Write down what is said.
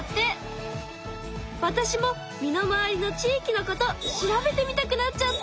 わたしも身の回りの地域のこと調べてみたくなっちゃった。